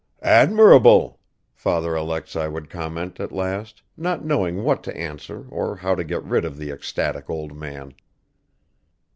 "Admirable!" Father Alexei would comment at last, not knowing what to answer or how to get rid of the ecstatic old man.